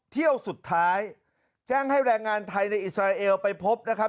เที่ยวสุดท้ายแจ้งให้แรงงานไทยในอิสราเอลไปพบนะครับ